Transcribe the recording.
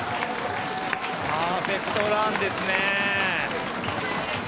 パーフェクトランですね。